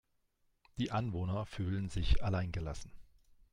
Die Anwohner fühlen sich allein gelassen.